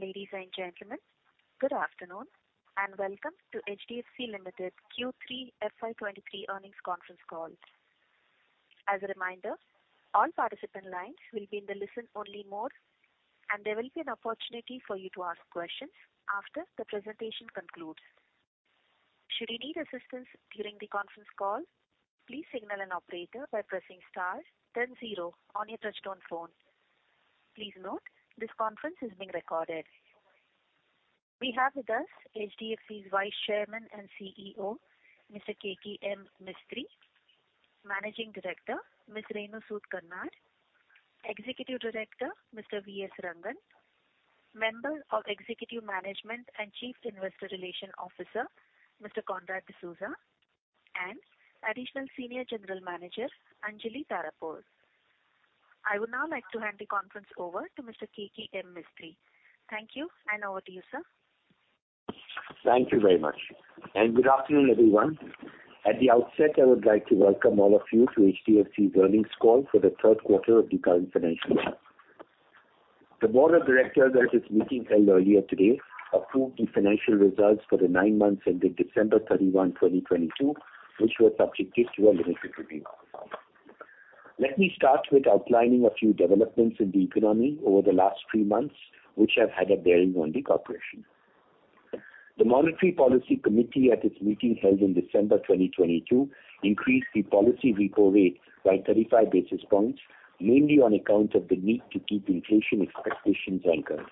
Ladies and gentlemen, good afternoon, welcome to HDFC Limited Q3 FY 23 earnings conference call. As a reminder, all participant lines will be in the listen only mode, and there will be an opportunity for you to ask questions after the presentation concludes. Should you need assistance during the conference call, please signal an operator by pressing star then 0 on your touchtone phone. Please note, this conference is being recorded. We have with us HDFC's Vice Chairman and CEO, Mr. Keki M. Mistry. Managing Director, Ms. Renu Sud Karnad. Executive Director, Mr. V.S. Rangan. Member of Executive Management and Chief Investor Relations Officer, Mr. Conrad D'Souza, and Additional Senior General Manager, Anjali Tarapore. I would now like to hand the conference over to Mr. K.K.M. Mistry. Thank you, over to you, sir. Thank you very much. Good afternoon, everyone. At the outset, I would like to welcome all of you to HDFC's earnings call for the third quarter of the current financial year. The board of directors at its meeting held earlier today approved the financial results for the nine months ending December 31, 2022, which were subject to a limited review. Let me start with outlining a few developments in the economy over the last three months, which have had a bearing on the corporation. The Monetary Policy Committee at its meeting held in December 2022 increased the policy repo rate by 35 basis points, mainly on account of the need to keep inflation expectations anchored.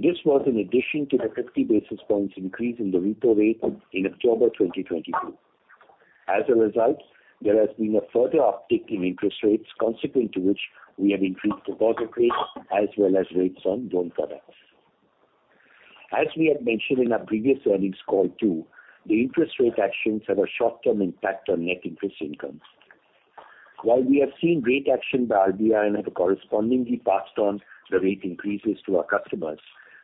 This was in addition to the 50 basis points increase in the repo rate in October 2022. There has been a further uptick in interest rates, consequent to which we have increased deposit rates as well as rates on loan products. We had mentioned in our previous earnings call too, the interest rate actions have a short-term impact on net interest incomes. We have seen rate action by RBI and have correspondingly passed on the rate increases to our customers,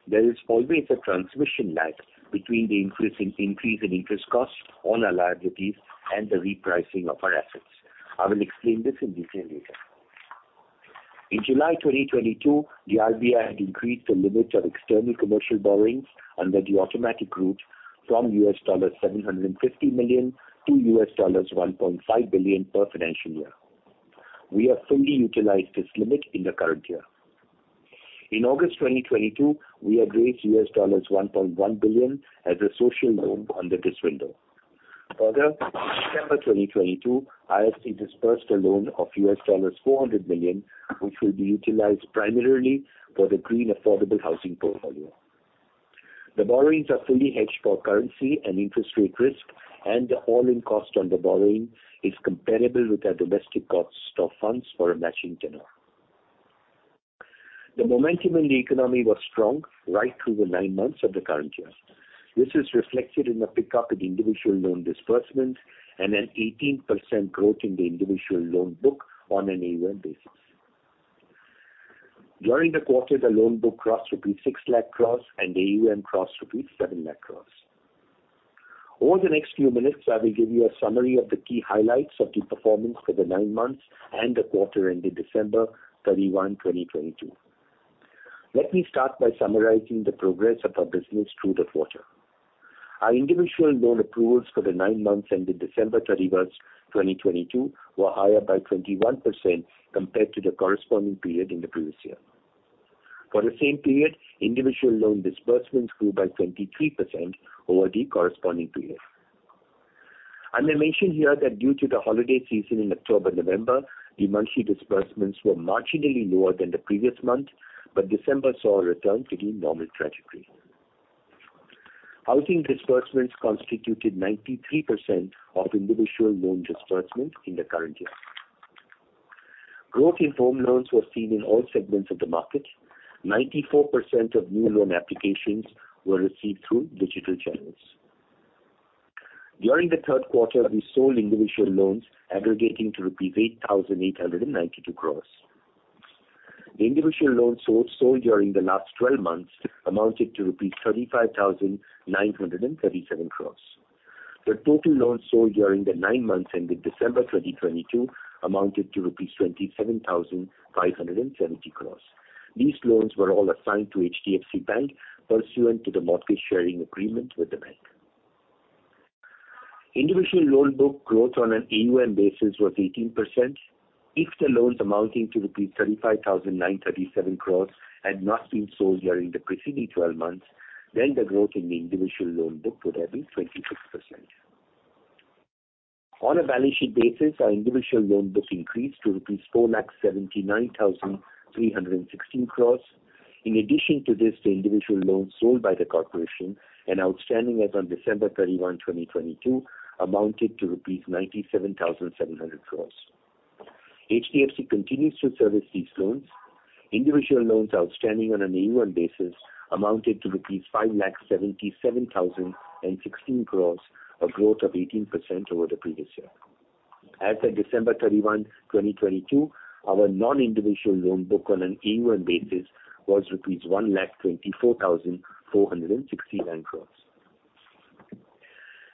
there is always a transmission lag between the increase in interest costs on our liabilities and the repricing of our assets. I will explain this in detail later. In July 2022, the RBI had increased the limit of external commercial borrowings under the automatic route from $750 million to $1.5 billion per financial year. We have fully utilized this limit in the current year. In August 2022, we raised $1.1 billion as a social loan under this window. Further, December 2022, HFC dispersed a loan of $400 million, which will be utilized primarily for the green affordable housing portfolio. The borrowings are fully hedged for currency and interest rate risk, and the all-in cost on the borrowing is comparable with our domestic cost of funds for a matching tenure. The momentum in the economy was strong right through the nine months of the current year. This is reflected in a pickup in individual loan disbursements and an 18% growth in the individual loan book on an AUM basis. During the quarter, the loan book crossed rupees 6 lakh crores and AUM crossed rupees 7 lakh crores. Over the next few minutes, I will give you a summary of the key highlights of the performance for the 9 months and the quarter ending December 31, 2022. Let me start by summarizing the progress of our business through the quarter. Our individual loan approvals for the 9 months ending December 31st, 2022, were higher by 21% compared to the corresponding period in the previous year. For the same period, individual loan disbursements grew by 23% over the corresponding period. I may mention here that due to the holiday season in October, November, the monthly disbursements were marginally lower than the previous month, but December saw a return to the normal trajectory. Housing disbursements constituted 93% of individual loan disbursements in the current year. Growth in home loans was seen in all segments of the market. 94% of new loan applications were received through digital channels. During the third quarter, we sold individual loans aggregating to rupees 8,892 crores. The individual loans sold during the last 12 months amounted to 35,937 crores. The total loans sold during the 9 months ending December 2022 amounted to rupees 27,570 crores. These loans were all assigned to HDFC Bank pursuant to the mortgage sharing agreement with the bank. Individual loan book growth on an AUM basis was 18%. If the loans amounting to rupees 35,937 crores had not been sold during the preceding 12 months, then the growth in the individual loan book would have been 26%. On a balance sheet basis, our individual loan book increased to rupees 4,79,316 crores. In addition to this, the individual loans sold by the corporation and outstanding as on December 31, 2022, amounted to rupees 97,700 crores. HDFC continues to service these loans. Individual loans outstanding on an AUM basis amounted to rupees 5,77,016 crores, a growth of 18% over the previous year. As of December 31, 2022, our non-individual loan book on an AUM basis was rupees 1,24,469 crores.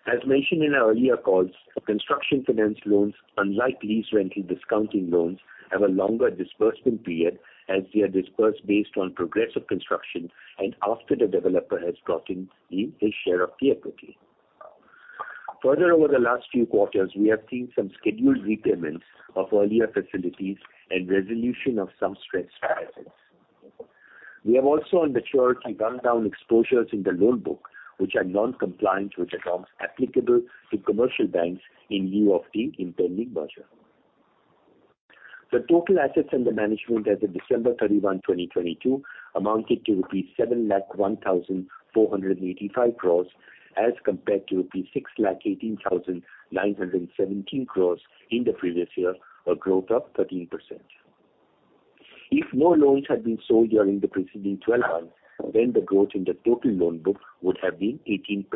As mentioned in our earlier calls, construction finance loans, unlike lease rental discounting loans, have a longer disbursement period as they are disbursed based on progressive construction and after the developer has brought in his share of equity. Further, over the last few quarters, we have seen some scheduled repayments of earlier facilities and resolution of some stressed assets. We have also matured to run down exposures in the loan book which are non-compliant with accounts applicable to commercial banks in lieu of the impending merger. The total assets under management as of December 31, 2022 amounted to rupees 7,01,485 crores as compared to rupees 6,18,917 crores in the previous year, a growth of 13%. If no loans had been sold during the preceding 12 months, then the growth in the total loan book would have been 18%.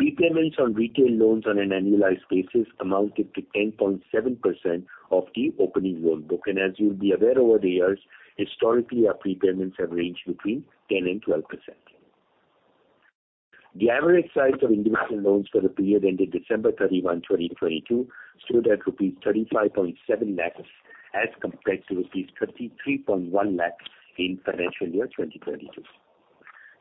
Prepayments on retail loans on an annualized basis amounted to 10.7% of the opening loan book. As you'll be aware over the years, historically, our prepayments have ranged between 10% and 12%. The average size of individual loans for the period ending December 31, 2022 stood at rupees 35.7 lakhs as compared to rupees 33.1 lakhs in financial year 2022.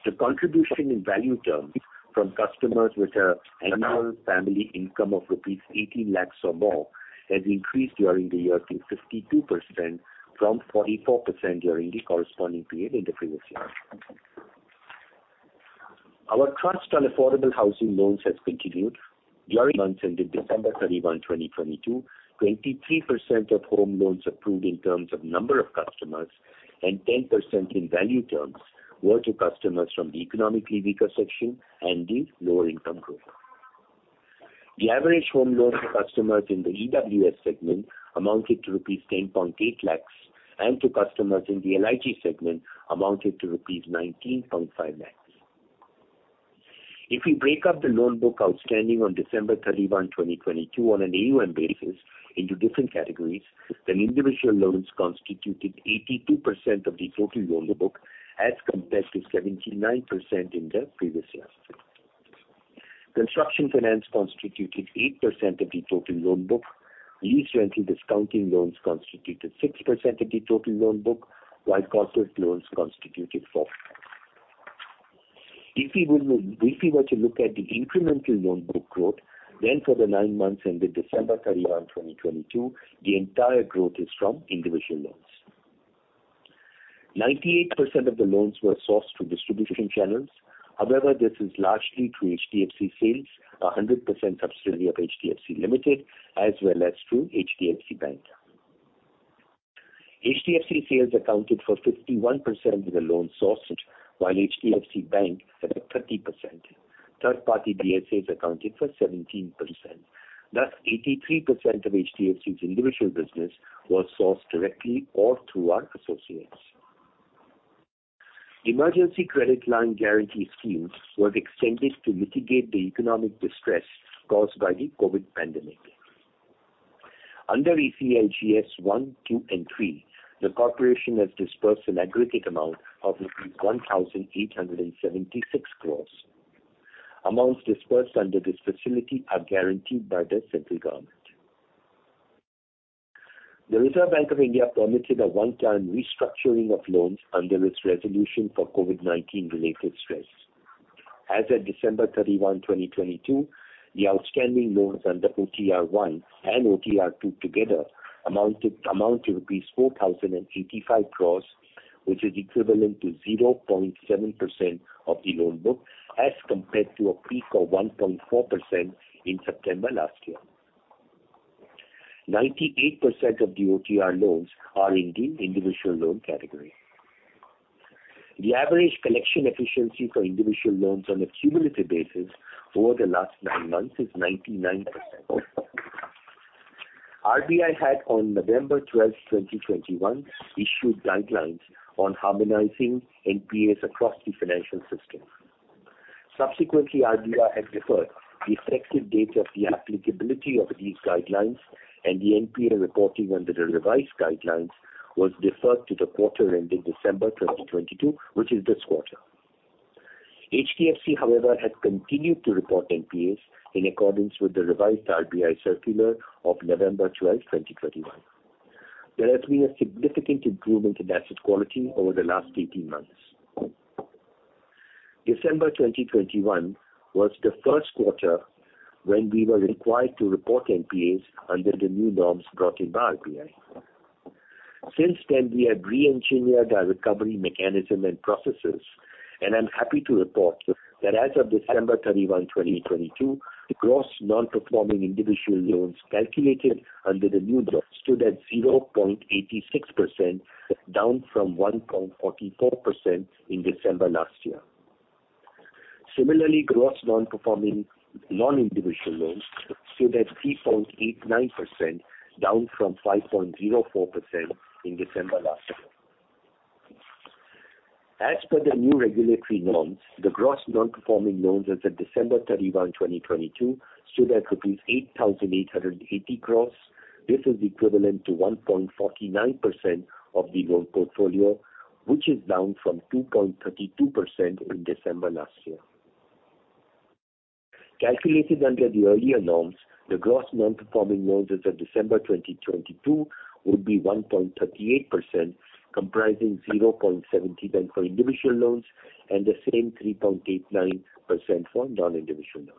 The contribution in value terms from customers with a annual family income of rupees 18 lakhs or more has increased during the year to 52% from 44% during the corresponding period in the previous year. Our trust on affordable housing loans has continued. During months ending December 31, 2022, 23 of home loans approved in terms of number of customers and 10% in value terms were to customers from the economically weaker section and the lower income group. The average home loan to customers in the EWS segment amounted to rupees 10.8 lakhs, and to customers in the LIG segment amounted to rupees 19.5 lakhs. We break up the loan book outstanding on December 31, 2022 on an AUM basis into different categories, individual loans constituted 82% of the total loan book as compared to 79% in the previous year. Construction finance constituted 8% of the total loan book. Lease rental discounting loans constituted 6% of the total loan book while corporate loans constituted 4%. We were to look at the incremental loan book growth, for the nine months ending December 31, 2022, the entire growth is from individual loans. 98% of the loans were sourced through distribution channels. However, this is largely through HDFC Sales, a 100% subsidiary of HDFC Limited, as well as through HDFC Bank. HDFC Sales accounted for 51% of the loans sourced, while HDFC Bank at 30%. Third-party DSAs accounted for 17%. Thus, 83% of HDFC's individual business was sourced directly or through our associates. Emergency Credit Line Guarantee Scheme was extended to mitigate the economic distress caused by the COVID pandemic. Under ECLGS 1.0, 2.0, and 3.0, the corporation has disbursed an aggregate amount of 1,876 crores. Amounts disbursed under this facility are guaranteed by the central government. The Reserve Bank of India permitted a one-time restructuring of loans under its resolution for COVID-19 related stress. As of December 31, 2022, the outstanding loans under OTR one and OTR two together amount to 4,085 crores, which is equivalent to 0.7% of the loan book as compared to a peak of 1.4% in September last year. 98% of the OTR loans are in the individual loan category. RBI had on November 12, 2021, issued guidelines on harmonizing NPAs across the financial system. Subsequently, RBI has deferred the effective date of the applicability of these guidelines and the NPA reporting under the revised guidelines was deferred to the quarter ending December 2022, which is this quarter. HDFC, however, has continued to report NPAs in accordance with the revised RBI circular of November 12, 2021. There has been a significant improvement in asset quality over the last 18 months. December 2021 was the first quarter when we were required to report NPAs under the new norms brought in by RBI. Since then, we have reengineered our recovery mechanism and processes, and I'm happy to report that as of December 31, 2022, the gross non-performing individual loans calculated under the new law stood at 0.86%, down from 1.44% in December last year. Similarly, gross non-performing non-individual loans stood at 3.89%, down from 5.04% in December last year. As per the new regulatory norms, the gross non-performing loans as of December 31, 2022, stood at rupees 8,880 crore. This is equivalent to 1.49% of the loan portfolio, which is down from 2.32% in December last year. Calculated under the earlier norms, the gross non-performing loans as of December 2022 would be 1.38%, comprising 0.79% for individual loans and the same 3.89% for non-individual loans.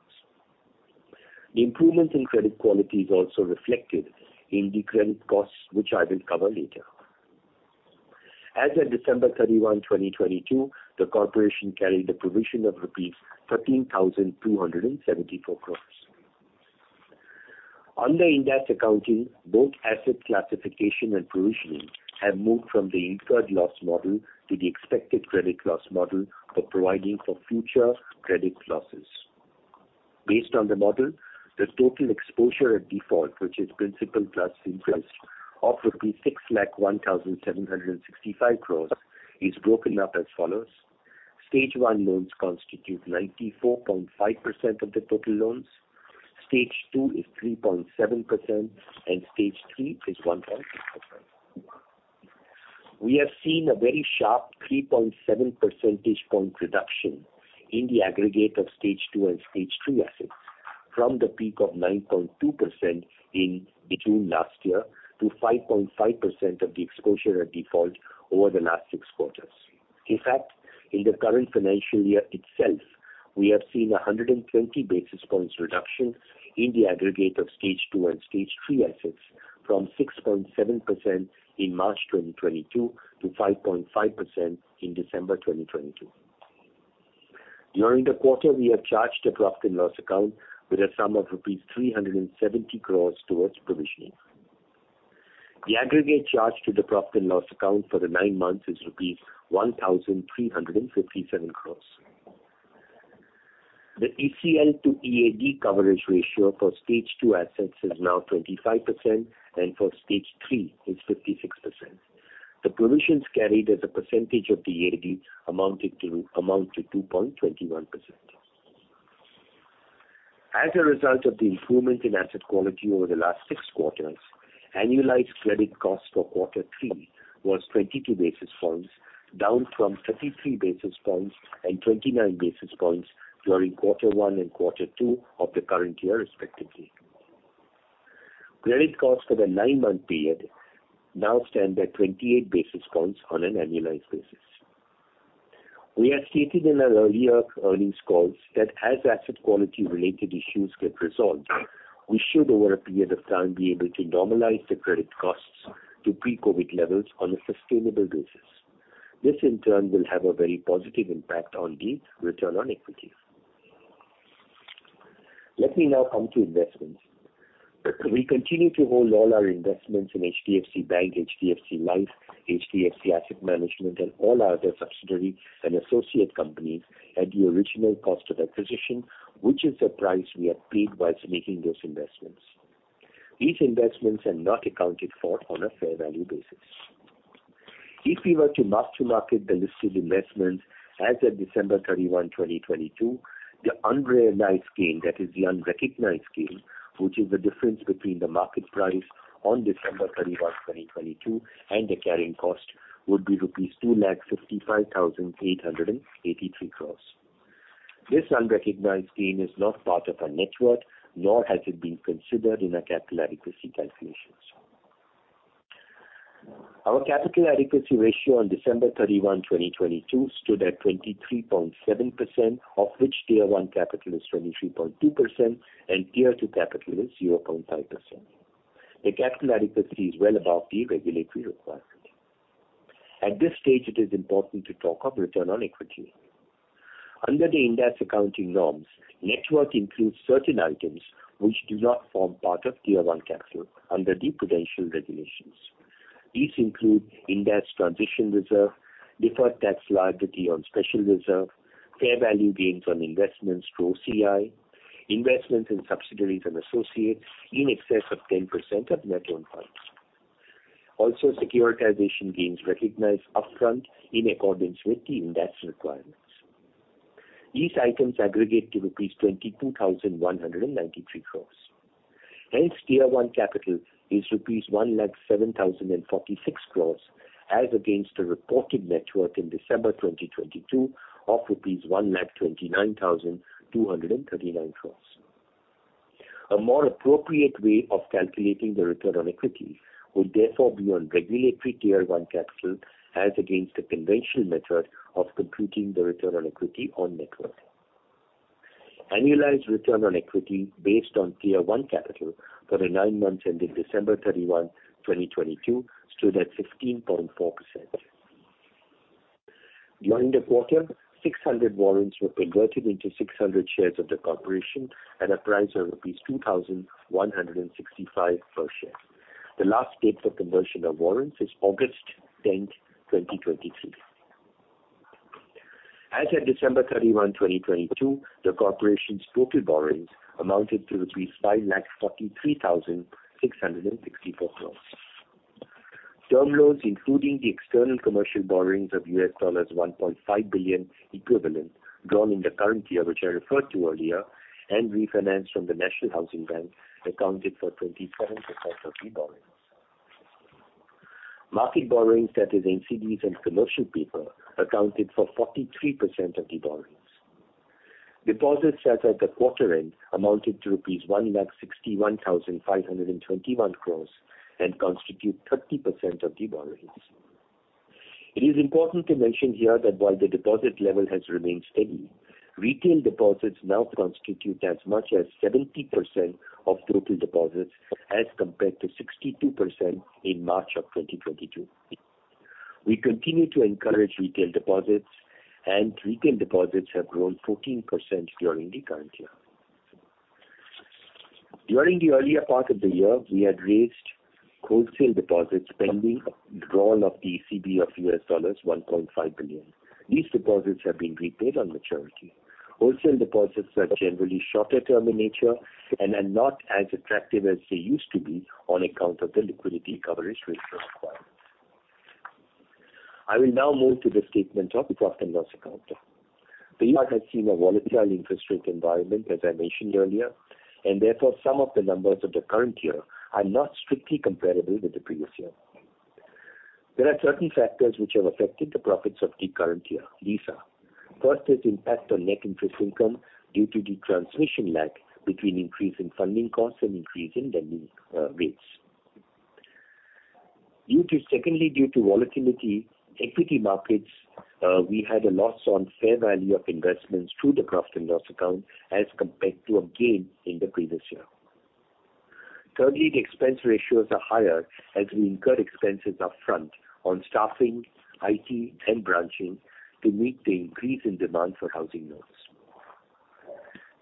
The improvement in credit quality is also reflected in the credit costs which I will cover later. As at December 31, 2022, the corporation carried a provision of rupees 13,274 crore. Under Ind AS accounting, both asset classification and provisioning have moved from the expected credit loss model for providing for future credit losses. Based on the model, the total exposure at default, which is principal plus interest, of 6,01,765 crores is broken up as follows. Stage one loans constitute 94.5% of the total loans. Stage two is 3.7% and Stage three is 1.6%. We have seen a very sharp 3.7 percentage point reduction in the aggregate of Stage two and Stage three assets from the peak of 9.2% in between last year to 5.5% of the exposure at default over the last six quarters. In fact, in the current financial year itself, we have seen 120 basis points reduction in the aggregate of stage two and stage three assets from 6.7% in March 2022 to 5.5% in December 2022. During the quarter, we have charged the profit and loss account with a sum of rupees 370 crores towards provisioning. The aggregate charge to the profit and loss account for the nine months is rupees 1,357 crores. The ECL to EAD coverage ratio for stage two assets is now 25% and for stage three is 56%. The provisions carried as a percentage of the EAD amount to 2.21%. As a result of the improvement in asset quality over the last 6 quarters, annualized credit cost for quarter 3 was 22 basis points, down from 33 basis points and 29 basis points during quarter 1 and quarter 2 of the current year respectively. Credit cost for the 9-month period now stand at 28 basis points on an annualized basis. We have stated in our earlier earnings calls that as asset quality-related issues get resolved, we should over a period of time be able to normalize the credit costs to pre-COVID levels on a sustainable basis. This, in turn, will have a very positive impact on the return on equity. Let me now come to investments. We continue to hold all our investments in HDFC Bank, HDFC Life, HDFC Asset Management, and all other subsidiary and associate companies at the original cost of acquisition, which is the price we had paid whilst making those investments. These investments are not accounted for on a fair value basis. If we were to mark to market the listed investments as at December 31, 2022, the unrealized gain, that is the unrecognized gain, which is the difference between the market price on December 31, 2022, and the carrying cost, would be rupees 2,55,883 crores. This unrecognized gain is not part of our net worth, nor has it been considered in our capital adequacy calculations. Our capital adequacy ratio on December 31, 2022, stood at 23.7%, of which Tier I capital is 23.2% and Tier II capital is 0.5%. The capital adequacy is well above the regulatory requirement. At this stage, it is important to talk of return on equity. Under the Ind AS accounting norms, net worth includes certain items which do not form part of Tier I capital under the prudential regulations. These include Ind AS transition reserve, deferred tax liability on special reserve, fair value gains on investments through OCI, investments in subsidiaries and associates in excess of 10% of net own funds. Securitization gains recognized upfront in accordance with the Ind AS requirements. These items aggregate to rupees 22,193 crore. Hence, Tier I capital is rupees 1,07,046 crores as against the reported net worth in December 2022 of rupees 1,29,239 crores. A more appropriate way of calculating the return on equity will therefore be on regulatory Tier I capital as against the conventional method of computing the return on equity on net worth. Annualized return on equity based on Tier I capital for the 9 months ending December 31, 2022, stood at 15.4%. During the quarter, 600 warrants were converted into 600 shares of the corporation at a price of rupees 2,165 per share. The last date for conversion of warrants is August 10, 2023. As at December 31, 2022, the Corporation's total borrowings amounted to 5,43,664 crores. Term loans, including the external commercial borrowings of $1.5 billion equivalent drawn in the current year, which I referred to earlier, and refinanced from the National Housing Bank, accounted for 24% of the borrowings. Market borrowings, that is NCDs and commercial paper, accounted for 43% of the borrowings. Deposits as at the quarter end amounted to rupees 1,61,521 crores and constitute 30% of the borrowings. It is important to mention here that while the deposit level has remained steady, retail deposits now constitute as much as 70% of total deposits, as compared to 62% in March 2022. We continue to encourage retail deposits, and retail deposits have grown 14% during the current year. During the earlier part of the year, we had raised wholesale deposit spending, withdrawal of the ECB of $1.5 billion. These deposits have been repaid on maturity. Wholesale deposits are generally shorter term in nature and are not as attractive as they used to be on account of the liquidity coverage ratio requirements. I will now move to the statement of profit and loss account. The year has seen a volatile interest rate environment, as I mentioned earlier, and therefore, some of the numbers of the current year are not strictly comparable with the previous year. There are certain factors which have affected the profits of the current year. These are: First, is impact on net interest income due to the transmission lag between increase in funding costs and increase in lending rates. Secondly, due to volatility in equity markets, we had a loss on fair value of investments through the profit and loss account as compared to a gain in the previous year. Thirdly, the expense ratios are higher as we incur expenses up front on staffing, IT and branching to meet the increase in demand for housing loans.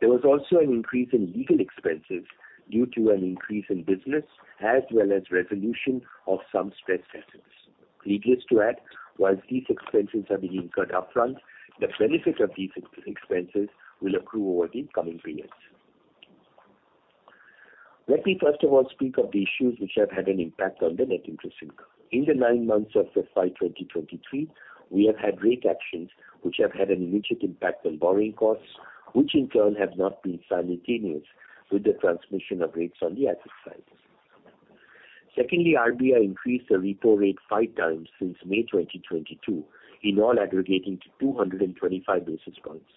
There was also an increase in legal expenses due to an increase in business as well as resolution of some stress assets. Needless to add, whilst these expenses are being incurred up front, the benefit of these expenses will accrue over the incoming periods. Let me first of all speak of the issues which have had an impact on the net interest income. In the 9 months of the FY 2023, we have had rate actions which have had an immediate impact on borrowing costs, which in turn have not been simultaneous with the transmission of rates on the asset side. RBI increased the repo rate 5 times since May 2022, in all aggregating to 225 basis points.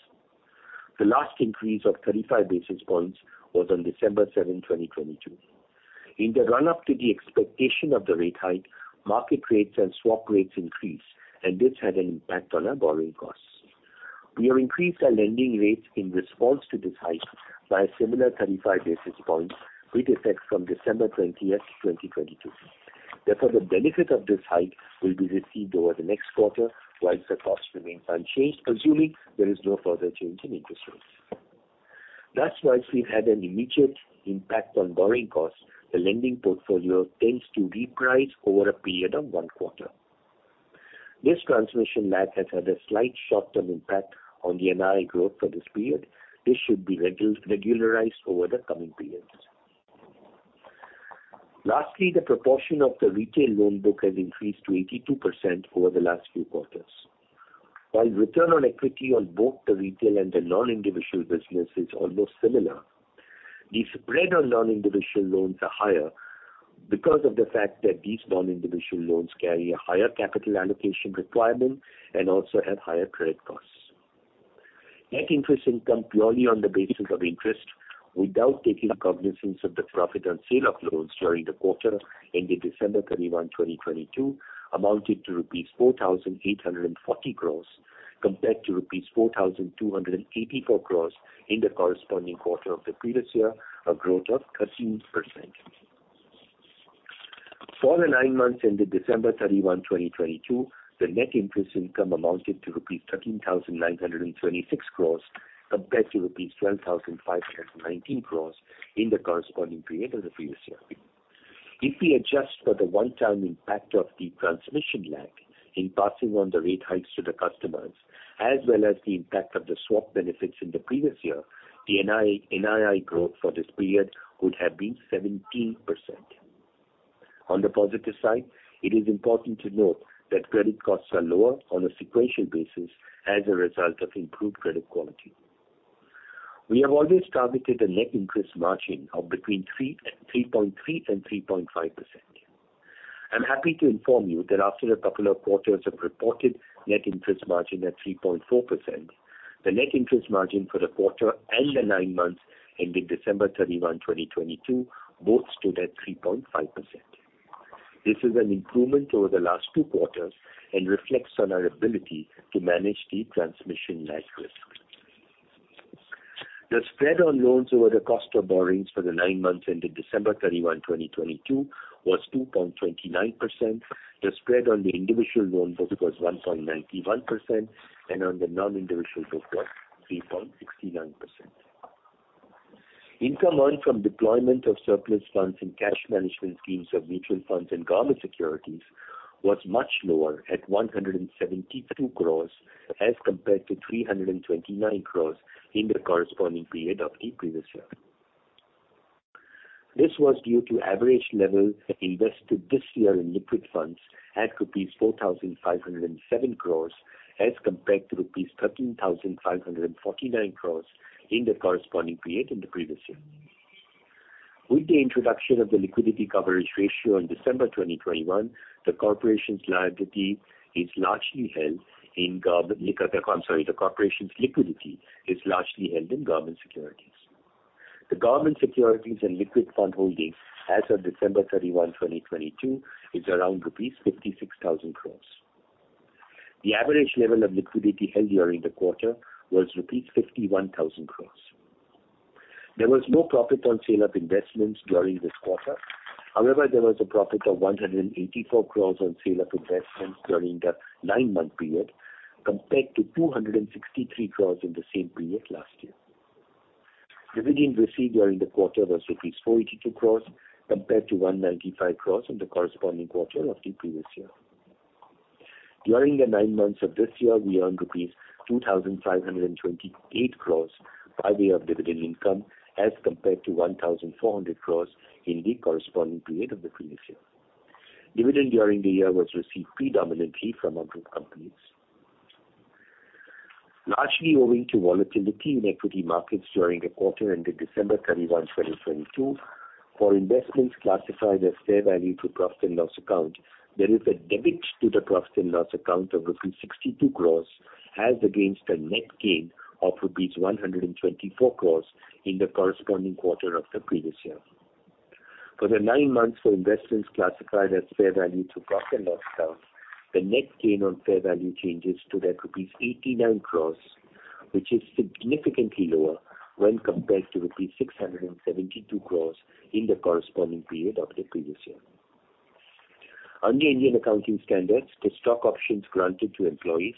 The last increase of 35 basis points was on December 7, 2022. In the run-up to the expectation of the rate hike, market rates and swap rates increased, and this had an impact on our borrowing costs. We have increased our lending rates in response to this hike by a similar 35 basis points, with effect from December 20, 2022. The benefit of this hike will be received over the next quarter, whilst the costs remain unchanged, assuming there is no further change in interest rates. That's why we've had an immediate impact on borrowing costs. The lending portfolio tends to reprice over a period of one quarter. This transmission lag has had a slight short-term impact on the NII growth for this period. This should be regularized over the coming periods. Lastly, the proportion of the retail loan book has increased to 82% over the last few quarters. While return on equity on both the retail and the non-individual business is almost similar, the spread on non-individual loans are higher because of the fact that these non-individual loans carry a higher capital allocation requirement and also have higher credit costs. Net interest income purely on the basis of interest, without taking cognizance of the profit and sale of loans during the quarter ended December 31, 2022, amounted to rupees 4,840 crores compared to rupees 4,284 crores in the corresponding quarter of the previous year, a growth of 13%. For the 9 months ended December 31, 2022, the net interest income amounted to rupees 13,926 crores compared to rupees 12,519 crores in the corresponding period of the previous year. If we adjust for the one-time impact of the transmission lag in passing on the rate hikes to the customers, as well as the impact of the swap benefits in the previous year, the NII growth for this period would have been 17%. On the positive side, it is important to note that credit costs are lower on a sequential basis as a result of improved credit quality. We have always targeted a net interest margin of between 3.3% and 3.5%. I'm happy to inform you that after a couple of quarters of reported net interest margin at 3.4%, the net interest margin for the quarter and the 9 months ending December 31, 2022, both stood at 3.5%. This is an improvement over the last 2 quarters and reflects on our ability to manage the transmission lag risk. The spread on loans over the cost of borrowings for the 9 months ended December 31, 2022 was 2.29%. The spread on the individual loan book was 1.91% and on the non-individual book was 3.69%. Income earned from deployment of surplus funds in cash management schemes of mutual funds and government securities was much lower at 172 crores as compared to 329 crores in the corresponding period of the previous year. This was due to average level invested this year in liquid funds at rupees 4,507 crores as compared to rupees 13,549 crores in the corresponding period in the previous year. With the introduction of the liquidity coverage ratio in December 2021, the corporation's liquidity is largely held in government securities. The government securities and liquid fund holdings as of December 31, 2022 is around rupees 56,000 crores. The average level of liquidity held during the quarter was rupees 51,000 crores. There was no profit on sale of investments during this quarter. However, there was a profit of 184 crores on sale of investments during the nine-month period, compared to 263 crores in the same period last year. Dividends received during the quarter was rupees 482 crores compared to 195 crores in the corresponding quarter of the previous year. During the nine months of this year, we earned rupees 2,528 crores by way of dividend income, as compared to 1,400 crores in the corresponding period of the previous year. Dividend during the year was received predominantly from our group companies. Largely owing to volatility in equity markets during the quarter ended December 31, 2022. For investments classified as fair value through profit and loss account, there is a debit to the profit and loss account of rupees 62 crores as against a net gain of rupees 124 crores in the corresponding quarter of the previous year. For the nine months for investments classified as fair value through profit and loss account, the net gain on fair value changes stood at rupees 89 crores, which is significantly lower when compared to rupees 672 crores in the corresponding period of the previous year. Under Indian Accounting Standards, the stock options granted to employees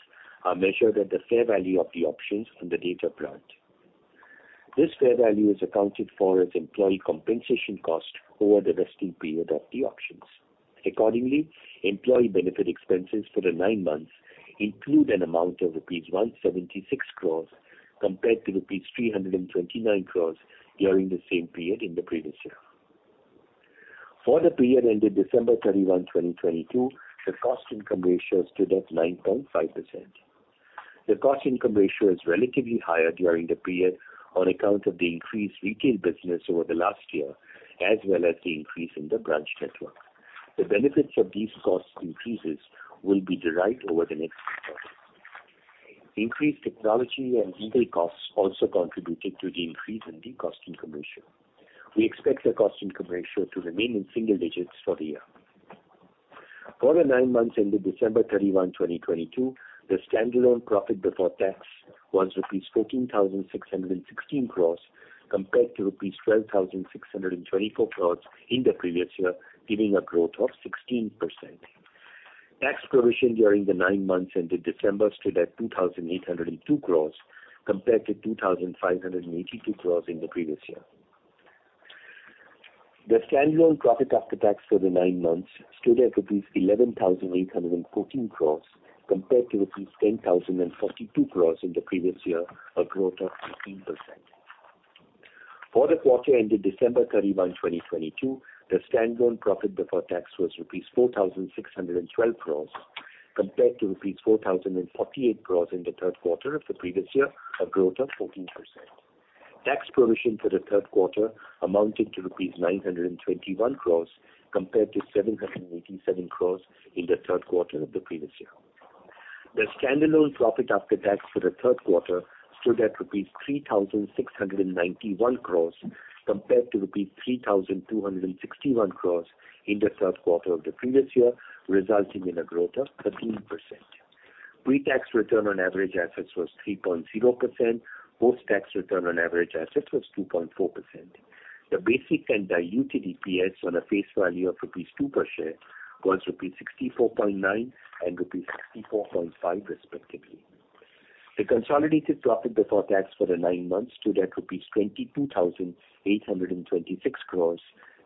are measured at the fair value of the options on the date of grant. This fair value is accounted for as employee compensation cost over the vesting period of the options. Accordingly, employee benefit expenses for the nine months include an amount of rupees 176 crores compared to rupees 329 crores during the same period in the previous year. For the period ended December 31, 2022, the cost income ratio stood at 9.5%. The cost income ratio is relatively higher during the period on account of the increased retail business over the last year, as well as the increase in the branch network. The benefits of these cost increases will be derived over the next quarter. Increased technology and legal costs also contributed to the increase in the cost income ratio. We expect the cost income ratio to remain in single digits for the year. For the nine months ended December 31, 2022, the standalone profit before tax was rupees 14,616 crores compared to rupees 12,624 crores in the previous year, giving a growth of 16%. Tax provision during the nine months ended December stood at 2,802 crores compared to 2,582 crores in the previous year. The standalone profit after tax for the nine months stood at rupees 11,814 crores compared to rupees 10,042 crores in the previous year, a growth of 15%. For the quarter ended December 31, 2022, the standalone profit before tax was rupees 4,612 crores compared to rupees 4,048 crores in the third quarter of the previous year, a growth of 14%. Tax provision for the third quarter amounted to rupees 921 crores compared to 787 crores in the third quarter of the previous year. The standalone profit after tax for the third quarter stood at 3,691 crores compared to 3,261 crores in the third quarter of the previous year, resulting in a growth of 13%. Pre-tax return on average assets was 3.0%. Post-tax return on average assets was 2.4%. The basic and diluted EPS on a face value of rupees 2 per share was rupees 64.9 and rupees 64.5 respectively. The consolidated profit before tax for the 9 months stood at rupees 22,826 crores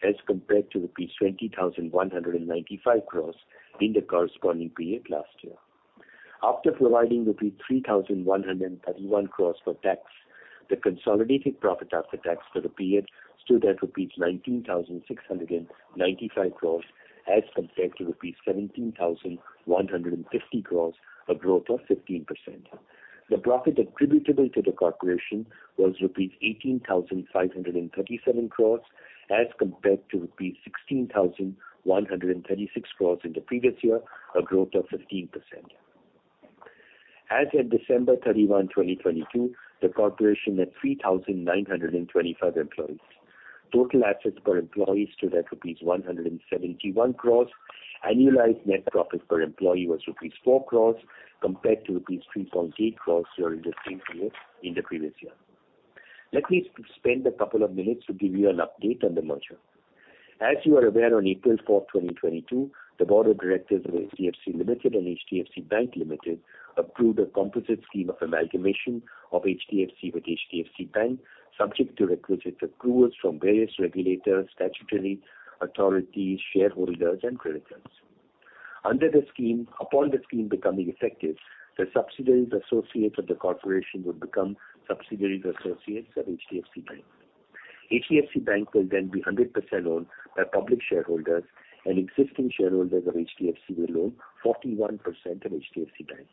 as compared to rupees 20,195 crores in the corresponding period last year. After providing rupees 3,131 crores for tax, the consolidated profit after tax for the period stood at 19,695 crores as compared to rupees 17,150 crores, a growth of 15%. The profit attributable to the corporation was 18,537 crores as compared to 16,136 crores in the previous year, a growth of 15%. As at December 31, 2022, the corporation had 3,925 employees. Total assets per employee stood at rupees 171 crores. Annualized net profit per employee was rupees 4 crores compared to rupees 3.8 crores during the same period in the previous year. Let me spend a couple of minutes to give you an update on the merger. As you are aware, on April 4, 2022, the board of directors of HDFC Limited and HDFC Bank Limited approved a composite scheme of amalgamation of HDFC with HDFC Bank, subject to requisite approvals from various regulators, statutory authorities, shareholders and creditors. Under the scheme, upon the scheme becoming effective, the subsidiaries associates of the corporation would become subsidiaries associates of HDFC Bank. HDFC Bank will then be 100% owned by public shareholders and existing shareholders of HDFC will own 41% of HDFC Bank.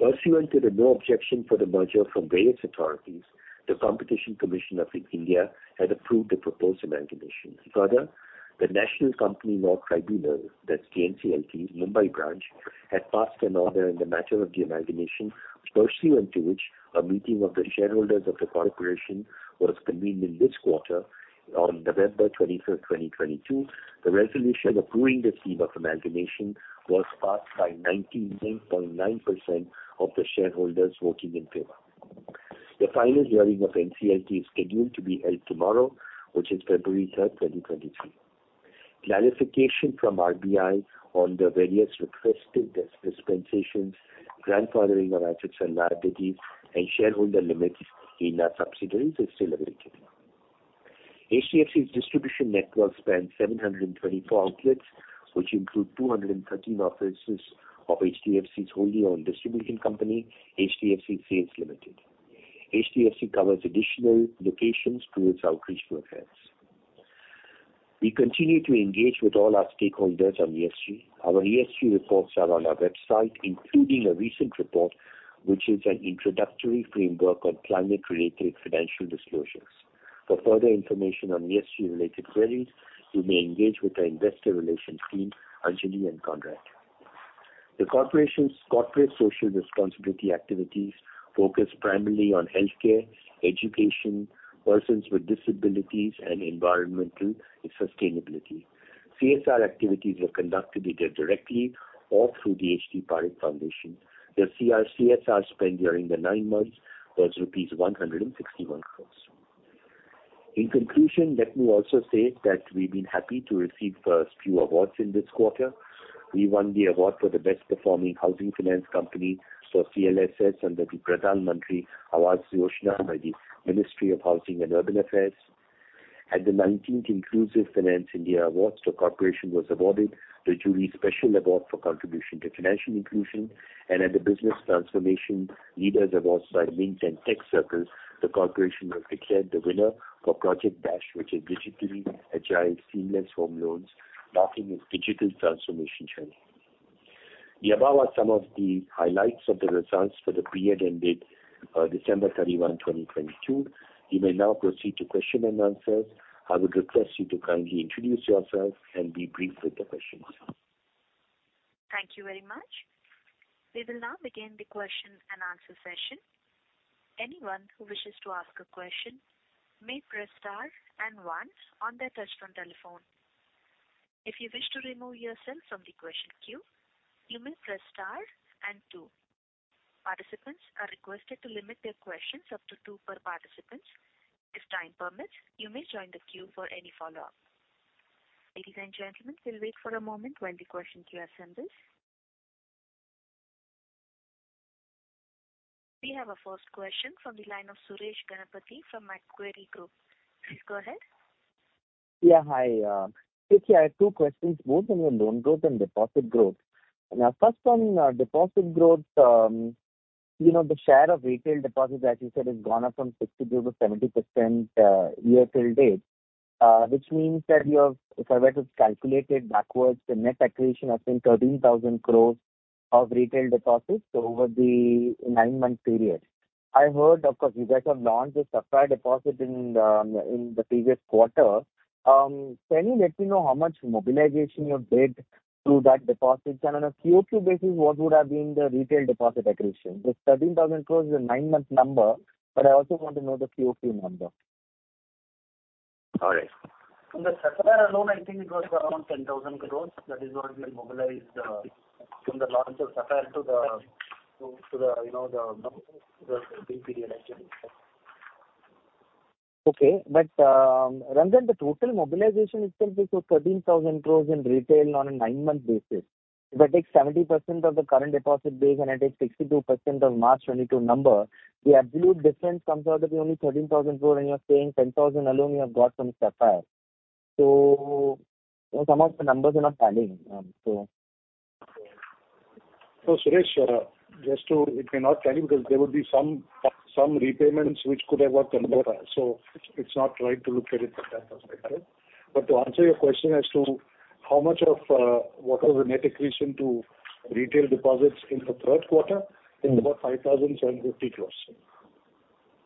Pursuant to the no objection for the merger from various authorities, the Competition Commission of India had approved the proposed amalgamation. The National Company Law Tribunal, that's NCLT, Mumbai branch, had passed an order in the matter of the amalgamation pursuant to which a meeting of the shareholders of the corporation was convened in this quarter on November 25th, 2022. The resolution approving the scheme of amalgamation was passed by 99.9% of the shareholders voting in favor. The final hearing of NCLT is scheduled to be held tomorrow, which is February 3rd, 2023. Clarification from RBI on the various requested dispensations, grandfathering of assets and liabilities, and shareholder limits in our subsidiaries is still awaited. HDFC's distribution network spans 724 outlets, which include 213 offices of HDFC's wholly owned distribution company, HDFC Sales Private Limited. HDFC covers additional locations through its outreach programs. We continue to engage with all our stakeholders on ESG. Our ESG reports are on our website, including a recent report, which is an introductory framework on climate-related financial disclosures. For further information on ESG-related queries, you may engage with our investor relations team, Anjalee and Conrad D'Souza. The corporation's corporate social responsibility activities focus primarily on healthcare, education, persons with disabilities, and environmental and sustainability. CSR activities are conducted either directly or through the H T Parekh Foundation. The CSR spend during the nine months was rupees 161 crores. In conclusion, let me also say that we've been happy to receive a few awards in this quarter. We won the award for the best performing housing finance company for CLSS under the Pradhan Mantri Awas Yojana by the Ministry of Housing and Urban Affairs. At the 19th Inclusive Finance India Awards, the corporation was awarded the jury special award for contribution to financial inclusion. At the Business Transformation Leaders Awards by Mint and TechCircle, the corporation was declared the winner for Project DASH, which is digitally agile seamless home loans, marking its digital transformation journey. The above are some of the highlights of the results for the period ended December 31, 2022. We may now proceed to question and answers. I would request you to kindly introduce yourself and be brief with the questions. Thank you very much. We will now begin the question and answer session. Anyone who wishes to ask a question may press star and one on their touchtone telephone. If you wish to remove yourself from the question queue, you may press star and two. Participants are requested to limit their questions up to two per participant. If time permits, you may join the queue for any follow-up. Ladies and gentlemen, we'll wait for a moment while the question queue assembles. We have our first question from the line of Suresh Ganapathy from Macquarie Group. Please go ahead. Hi, Keki., I have two questions, both on your loan growth and deposit growth. first on deposit growth, you know, the share of retail deposits, as you said, has gone up from 60% to 70% year till date, which means that you have, if I were to calculate it backwards, the net accretion has been 13,000 crores of retail deposits over the 9-month period. I heard, of course, you guys have launched a Sapphire Deposits in the previous quarter. Can you let me know how much mobilization you have did through that deposit? On a QOQ basis, what would have been the retail deposit accretion? This 13,000 crores is a 9-month number, I also want to know the QOQ number. All right. From the Sapphire alone, I think it was around 10,000 crores. That is what we mobilized from the launch of Sapphire to the, you know, the period actually. Okay. Ranjan, the total mobilization itself is so 13,000 crores in retail on a 9-month basis. If I take 70% of the current deposit base and I take 62% of March 2022 number, the absolute difference comes out to be only 13,000 crores, and you are saying 10,000 alone you have got from Sapphire. Some of the numbers are not tallying. Suresh, It may not tally because there would be some repayments which could have worked the number out. It's not right to look at it from that perspective. To answer your question as to how much of what was the net accretion to retail deposits in the third quarter, it's about 5,750 crores.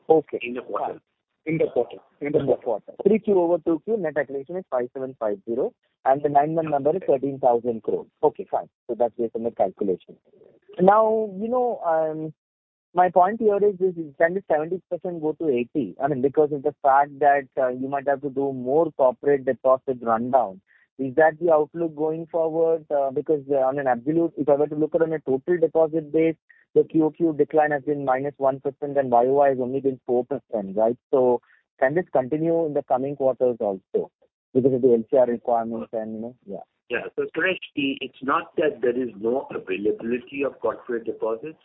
Okay. In the quarter. In the quarter. In the quarter. In the quarter. 3Q over 2Q, net accretion is 5,750, and the nine-month number is 13,000 crores. Okay, fine. That's based on my calculation. Now, you know, my point here is this. Can the 70% go to 80? I mean, because of the fact that you might have to do more corporate deposits rundown. Is that the outlook going forward? Because on an absolute, if I were to look at on a total deposit base, the QOQ decline has been -1% and YOY has only been 4%, right? Can this continue in the coming quarters also because of the LCR requirements and, you know? Yeah. Yeah. Suresh, it's not that there is no availability of corporate deposits.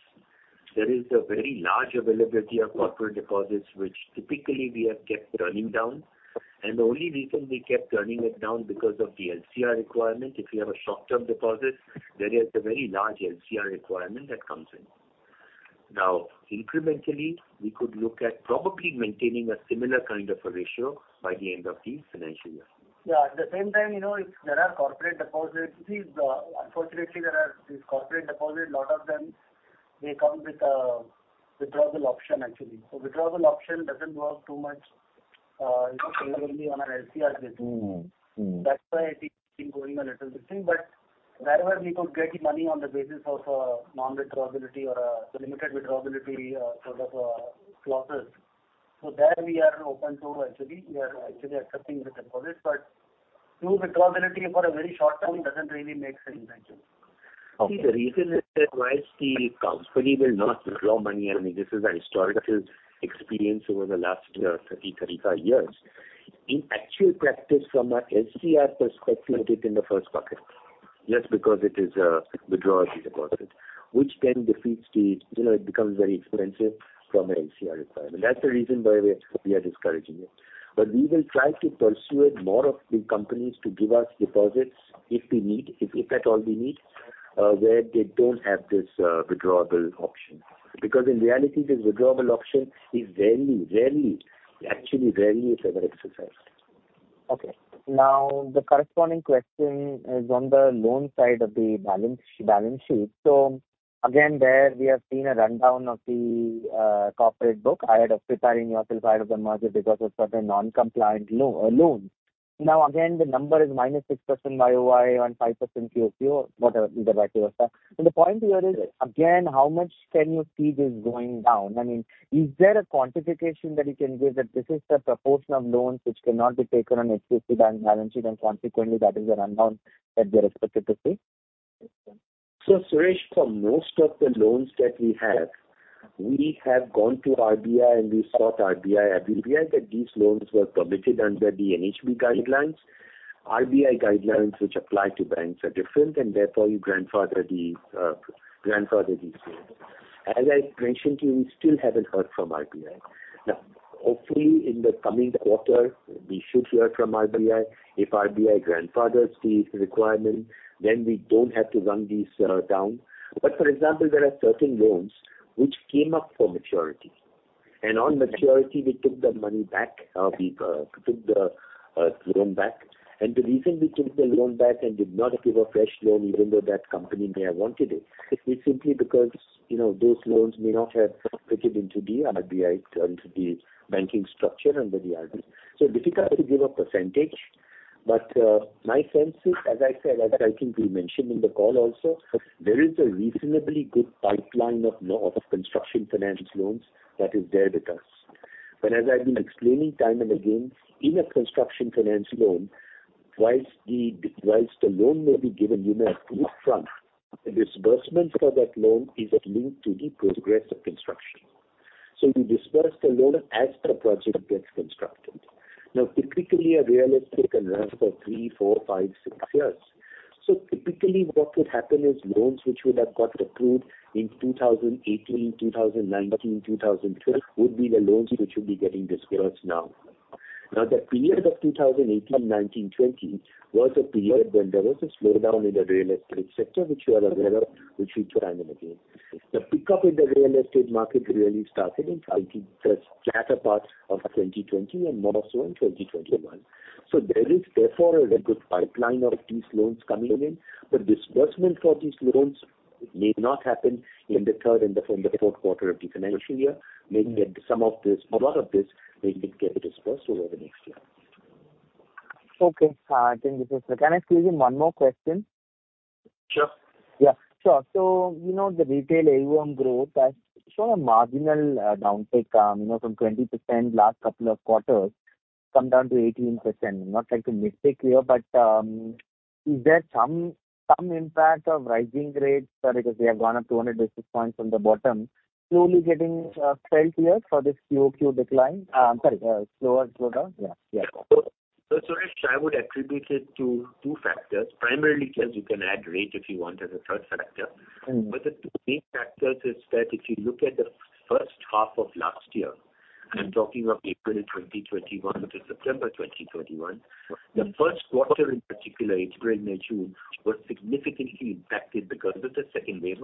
There is a very large availability of corporate deposits, which typically we have kept running down. The only reason we kept running it down because of the LCR requirement. If you have a short-term deposit, there is a very large LCR requirement that comes in. Incrementally, we could look at probably maintaining a similar kind of a ratio by the end of the financial year. Yeah. At the same time, you know, if there are corporate deposits, see, unfortunately, there are these corporate deposits, a lot of them they come with a withdrawal option actually. Withdrawal option doesn't work too much, you know, favorably on our LCR risk. Mm-hmm. Mm-hmm. That's why it keeps going a little bit thin. Wherever we could get money on the basis of non-withdrawal ability or a limited withdrawal ability, sort of clauses. There we are open to actually we are actually accepting the deposits. True withdrawal ability for a very short time doesn't really make sense actually. The reason is that whilst the company will not withdraw money, I mean, this is a historical experience over the last 30-35 years. In actual practice from an LCR perspective, put it in the first bucket, just because it is a withdrawable deposit, which then defeats the. You know, it becomes very expensive from an LCR requirement. That's the reason why we are discouraging it. We will try to persuade more of the companies to give us deposits if we need, if at all we need, where they don't have this withdrawable option. In reality, this withdrawable option is rarely, actually rarely if ever exercised. Okay. The corresponding question is on the loan side of the balance sheet. Again, there we have seen a rundown of the corporate book ahead of preparing yourself ahead of the merger because of certain non-compliant loans. Again, the number is minus 6% YOY and 5% QOQ or whatever, either way it was. The point here is, again, how much can you see this going down? I mean, is there a quantification that you can give that this is the proportion of loans which cannot be taken on HDFC Bank balance sheet, and consequently, that is a rundown that we are expected to see? Suresh, for most of the loans that we have, we have gone to RBI and we sought RBI approval that these loans were permitted under the NHB guidelines. RBI guidelines which apply to banks are different and therefore you grandfather the grandfather these loans. As I mentioned to you, we still haven't heard from RBI. Hopefully in the coming quarter, we should hear from RBI. If RBI grandfathers the requirement, then we don't have to run these down. For example, there are certain loans which came up for maturity. On maturity, we took the money back, we took the loan back. The reason we took the loan back and did not give a fresh loan, even though that company may have wanted it, is simply because, you know, those loans may not have fitted into the RBI, into the banking structure under the RBI. Difficult to give a percentage, but my sense is, as I said, as I think we mentioned in the call also, there is a reasonably good pipeline of construction finance loans that is there with us. As I've been explaining time and again, in a construction finance loan, whilst the loan may be given, you know, up front, the disbursement for that loan is linked to the progress of construction. We disperse the loan as the project gets constructed. Typically a real estate can run for three, four, five, six years. Typically what would happen is loans which would have got approved in 2018, 2019, 2020 would be the loans which would be getting dispersed now. The period of 2018, 2019, 2020 was a period when there was a slowdown in the real estate sector, which you are aware of, which we tried them again. The pickup in the real estate market really started in, I think, the latter part of 2020 and more so in 2021. There is therefore a very good pipeline of these loans coming in, but disbursement for these loans may not happen in the third and the fourth quarter of the financial year. Maybe some of this, a lot of this may get dispersed over the next year. Okay. Can I squeeze in one more question? Sure. Yeah, sure. You know, the retail AUM growth has shown a marginal downtick, you know, from 20% last couple of quarters, come down to 18%. I'm not trying to mistake you, but is there some impact of rising rates, sorry, because they have gone up 200 basis points from the bottom, slowly getting felt here for this QOQ decline? I'm sorry, slower growth? Yeah. Suresh, I would attribute it to two factors. Primarily because you can add rate if you want as a third factor. Mm-hmm. The 2 main factors is that if you look at the first half of last year, I'm talking of April 2021 to September 2021. The first quarter in particular, April and June, was significantly impacted because of the second wave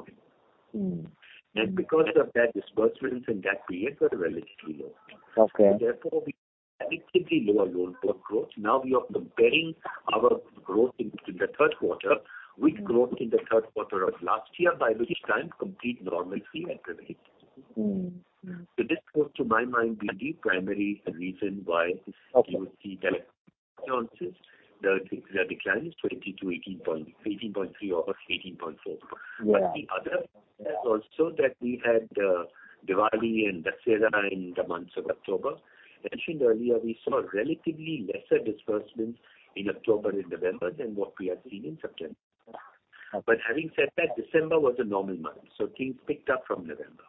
of COVID. Mm-hmm. Because of that, disbursements in that period were relatively low. Okay. Therefore, we had relatively lower loan growth. Now we are comparing our growth in the third quarter with growth in the third quarter of last year, by which time complete normalcy had returned. Mm-hmm. Mm-hmm. This would, to my mind, be the primary reason why you would see that nuances. The decline is 20% to 18.3% or 18.4%. Yeah. The other is also that we had Diwali and Dussehra in the months of October. Mentioned earlier, we saw relatively lesser disbursements in October and November than what we had seen in September. Okay. Having said that, December was a normal month, so things picked up from November.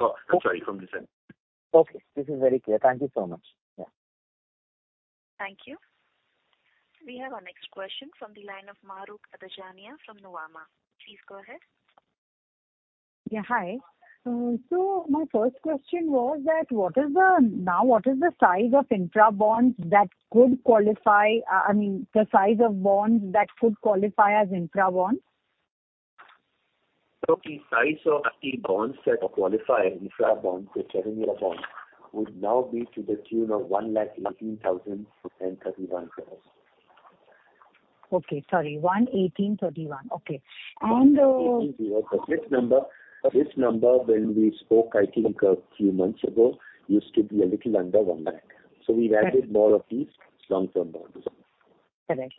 I'm sorry, from December. Okay, this is very clear. Thank you so much. Yeah. Thank you. We have our next question from the line of Mahrukh Adajania from Nomura. Please go ahead. Yeah, hi. My first question was that what is the size of infrastructure bonds that could qualify, I mean, the size of bonds that could qualify as infrastructure bonds? The size of the bonds that are qualified infrastructure bonds, the seven-year bonds would now be to the tune of 118,031 crores. Okay. Sorry. 1 18 31. Okay. Eighteen zero. This number when we spoke, I think a few months ago, used to be a little under 1 lakh. Right. We've added more of these long-term bonds. Correct.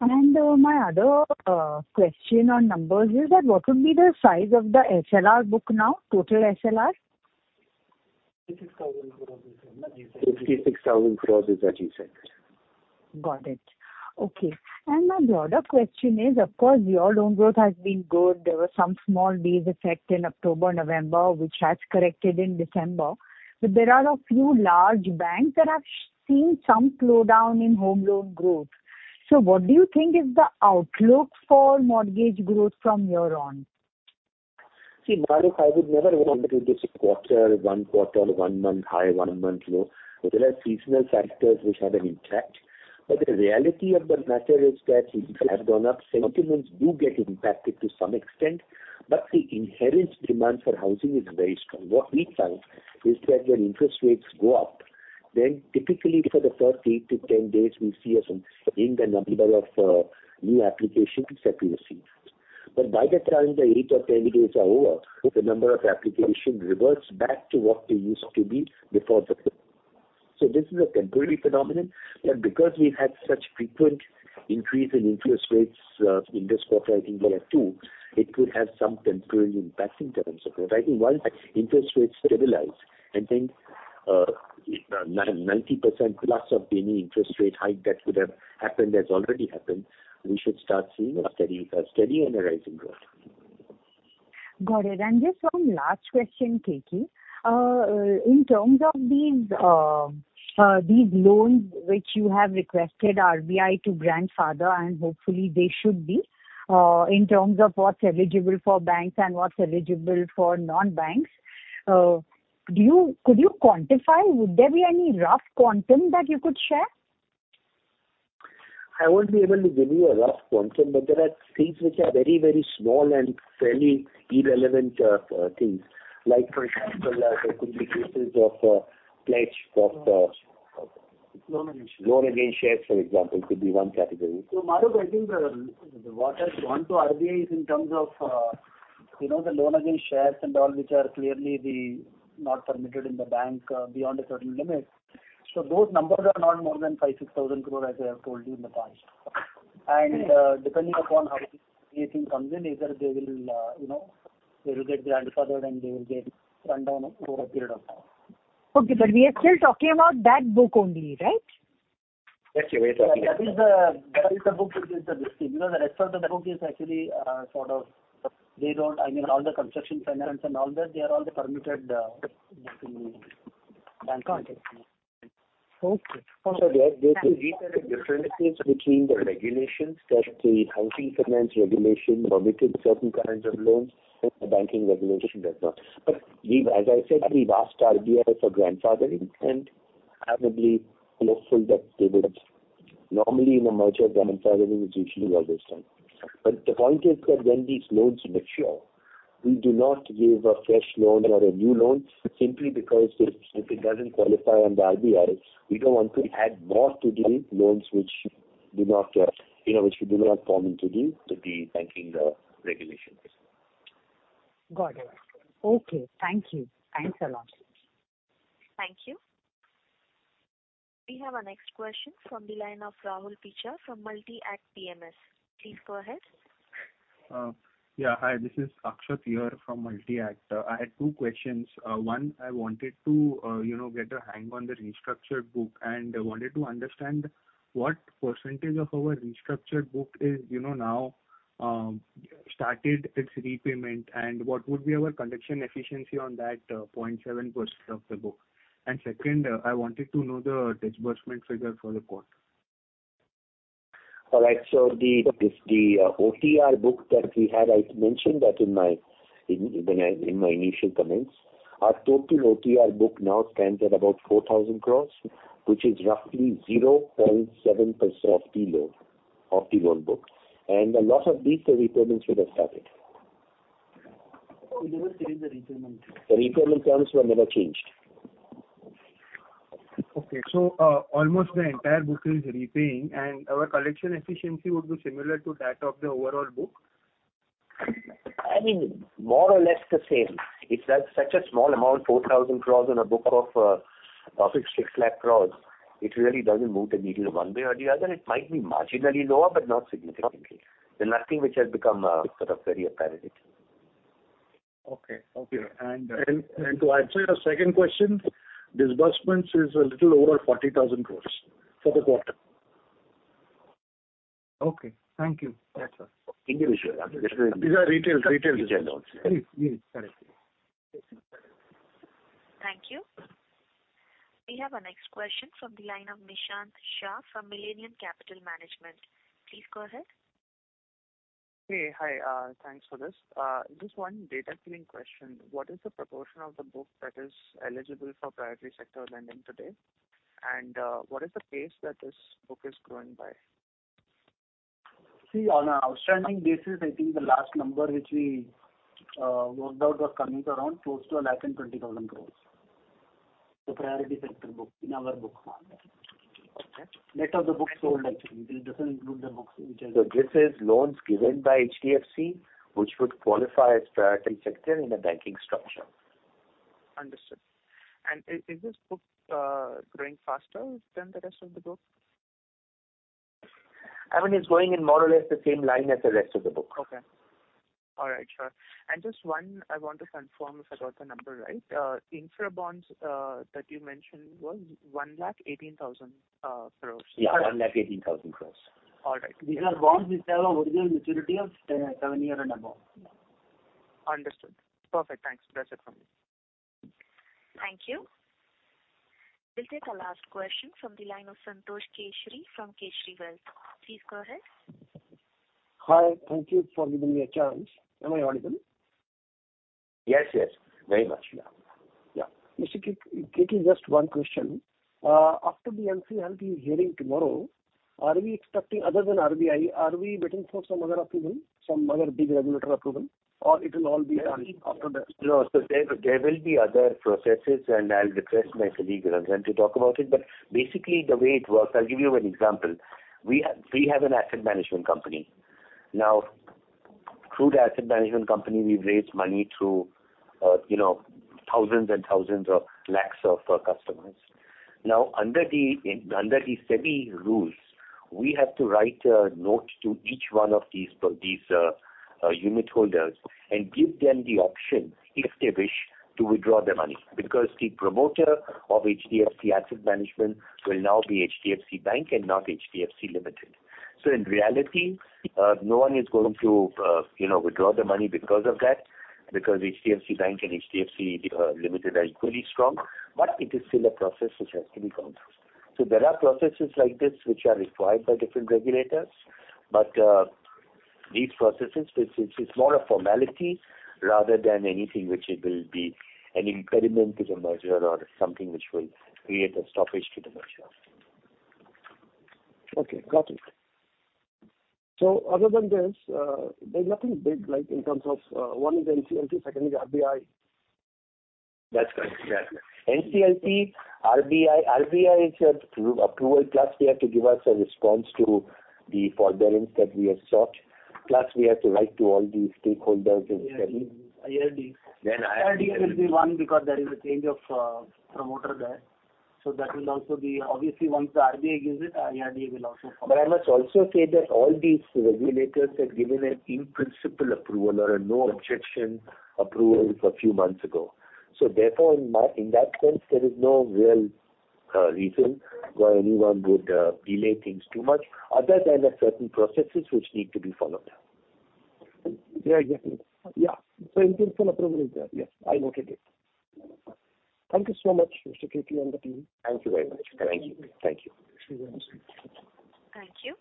My other question on numbers is that what would be the size of the SLR book now, total SLR? INR 56,000 crore is the SLR. Got it. Okay. My broader question is, of course, your loan growth has been good. There were some small base effect in October, November, which has corrected in December, but there are a few large banks that have seen some slowdown in home loan growth. What do you think is the outlook for mortgage growth from here on? Mahrukh, I would never want to do this quarter, one quarter, one month high, one month low. There are seasonal factors which have an impact. The reality of the matter is that if they have gone up, sentiments do get impacted to some extent, but the inherent demand for housing is very strong. What we find is that when interest rates go up, then typically for the first 8 to 10 days we see a dip in the number of new applications that we receive. By the time the 8 or 10 days are over, the number of applications reverts back to what they used to be before the. This is a temporary phenomenon, but because we've had such frequent increase in interest rates in this quarter, it could have some temporary impact in terms of it. I think once interest rates stabilize and then 90% plus of any interest rate hike that could have happened has already happened, we should start seeing a steady and a rising growth. Got it. Just one last question, K.K. in terms of these loans which you have requested RBI to grandfather and hopefully they should be, in terms of what's eligible for banks and what's eligible for non-banks, could you quantify? Would there be any rough quantum that you could share? I won't be able to give you a rough quantum, but there are things which are very, very small and fairly irrelevant, things. Like for example, there could be cases of pledge of. Loan against shares. Loan against shares, for example, could be one category. Mahrukh, I think what has gone to RBI is in terms of, you know, the loan against shares and all which are clearly not permitted in the bank beyond a certain limit. Those numbers are not more than 5,000-6,000 crore as I have told you in the past. Depending upon how everything comes in, either they will, you know, they will get grandfathered and they will get run down over a period of time. Okay. We are still talking about that book only, right? Yes, we are talking. That is the book which is the risky because the rest of the book is actually, sort of, I mean, all the construction finance and all that, they are all the permitted, between bank context. Got it. Okay. There could be certain differences between the regulations that the housing finance regulation permitted certain kinds of loans and the banking regulation does not. As I said, we've asked RBI for grandfathering and happily hopeful that they will. Normally in a merger, grandfathering is usually always done. The point is that when these loans mature, we do not give a fresh loan or a new loan simply because if it doesn't qualify under RBI, we don't want to add more to the loans which do not, you know, which do not fall into the banking regulations. Got it. Okay. Thank you. Thanks a lot. Thank you. We have our next question from the line of Rahul Picha from Motilal Oswal Financial Services. Please go ahead. Yeah. Hi. This is Akshat here from Motilal Oswal. I had two questions. One, I wanted to, you know, get a hang on the restructured book and I wanted to understand what percentage of our restructured book is, you know, now started its repayment and what would be our collection efficiency on that 0.7% of the book. Second, I wanted to know the disbursement figure for the quarter. All right. The OTR book that we had, I mentioned that in my initial comments. Our total OTR book now stands at about 4,000 crores, which is roughly 0.7% of the loan book. A lot of these repayments would have started. We never changed the repayment. The repayment terms were never changed. Almost the entire book is repaying and our collection efficiency would be similar to that of the overall book? I mean, more or less the same. It's such a small amount, 4,000 crores on a book of 6 lakh crores. It really doesn't move the needle one way or the other. It might be marginally lower, but not significantly. There's nothing which has become, sort of very apparent. Okay. Okay. To answer your second question, disbursements is a little over 40,000 crores for the quarter. Okay, thank you. That's all. Individual. These are retail side also. Retail. Retail. Correct. Thank you. We have our next question from the line of Nishant Shah from Millennium Capital Management. Please go ahead. Hey. Hi. thanks for this. just one data cleaning question. What is the proportion of the book that is eligible for priority sector lending today? What is the pace that this book is growing by? On our outstanding basis, I think the last number which we worked out was coming around close to 120,000 crores. The priority sector book in our books. Okay. Net of the books sold actually. It doesn't include the books which have- This is loans given by HDFC which would qualify as priority sector in a banking structure. Understood. Is this book growing faster than the rest of the book? I mean, it's growing in more or less the same line as the rest of the book. Okay. All right. Sure. Just one I want to confirm if I got the number right. infrastructure bonds that you mentioned was 118,000 crores. Yeah. 118,000 crores. All right. These are bonds which have an original maturity of 7 year and above. Understood. Perfect. Thanks. That's it from me. Thank you. We'll take the last question from the line of Suresh Ganapathy from Kesari Wealth. Please go ahead. Hi. Thank you for giving me a chance. Am I audible? Yes, yes. Very much. Yeah. Yeah. Mr. Keki Mistry, just one question. After the NCLT hearing tomorrow, are we expecting other than RBI, are we waiting for some other approval, some other big regulator approval, or it will all be done after that? No. There will be other processes, and I'll request my colleague Ram to talk about it. Basically the way it works, I'll give you an example. We have an asset management company. Now, through the asset management company we've raised money through, you know, thousands of lakhs of customers. Now, under the SEBI rules, we have to write a note to each one of these unit holders and give them the option if they wish to withdraw their money because the promoter of HDFC Asset Management will now be HDFC Bank and not HDFC Limited. In reality, no one is going to, you know, withdraw their money because of that, because HDFC Bank and HDFC Limited are equally strong, but it is still a process which has to be gone through. There are processes like this which are required by different regulators, but, these processes, it's more a formality rather than anything which it will be an impediment to the merger or something which will create a stoppage to the merger. Okay, got it. Other than this, there's nothing big like in terms of, one is NCLT, second is RBI. That's right. Yeah. NCLT, RBI. RBI has to approve, approval, plus they have to give us a response to the forbearance that we have sought, plus we have to write to all the stakeholders in SEBI. Yeah. IRDA. IRDA. IRDA will be one because there is a change of promoter there. That will also be obviously once the RBI gives it, IRDA will also follow. I must also say that all these regulators had given an in-principle approval or a no objection approval a few months ago. Therefore in that sense there is no real reason why anyone would delay things too much other than the certain processes which need to be followed. Yeah, definitely. Yeah. In-principle approval is there. Yes, I noted it. Thank you so much, Mr. Keki Mistry and the team. Thank you very much. Thank you. Thank you. Thank you. Thank you.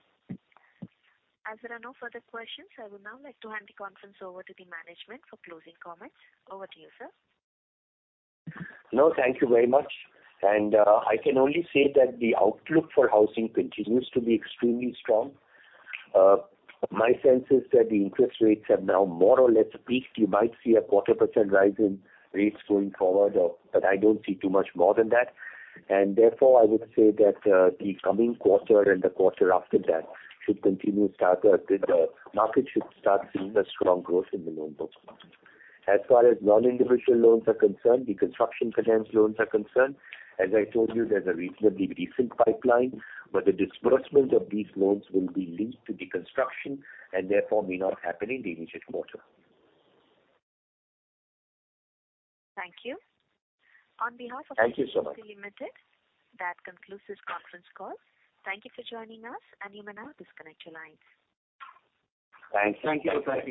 As there are no further questions, I would now like to hand the conference over to the management for closing comments. Over to you, sir. No, thank you very much. I can only say that the outlook for housing continues to be extremely strong. My sense is that the interest rates have now more or less peaked. You might see a 0.25% rise in rates going forward. I don't see too much more than that Therefore, I would say that the coming quarter and the quarter after that should continue to have a good market should start seeing a strong growth in the loan books. As far as non-individual loans are concerned, the construction finance loans are concerned, as I told you, there's a reasonably decent pipeline, but the disbursement of these loans will be linked to the construction and therefore may not happen in the immediate quarter. Thank you. On behalf of- Thank you so much. ...HDFC Limited, that concludes this conference call. Thank you for joining us. You may now disconnect your lines. Thanks. Thank you. Thank you.